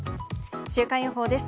週間予報です。